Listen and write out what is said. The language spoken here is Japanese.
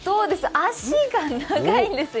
脚が長いんですよ。